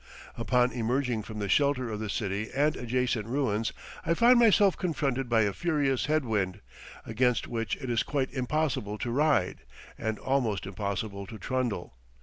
Upon emerging from the shelter of the city and adjacent ruins, I find myself confronted by a furious head wind, against which it is quite impossible to ride, and almost impossible to trundle.